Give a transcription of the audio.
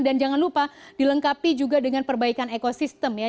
dan jangan lupa dilengkapi juga dengan perbaikan ekosistem ya